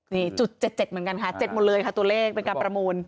นี่จุด๗๗เหมือนกันค่ะ๗หมดเลยค่ะตัวเลขเป็นการประมูล